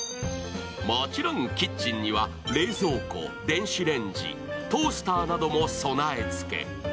もちろんキッチンには冷蔵庫電子レンジ、トースターなども備え付け。